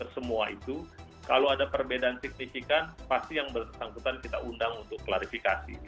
semua itu kalau ada perbedaan signifikan pasti yang bersangkutan kita undang untuk klarifikasi